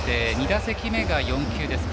２打席目が４球。